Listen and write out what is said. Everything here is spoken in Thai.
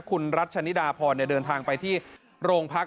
คุณรัชนิดาพรเดินทางไปที่โรงพัก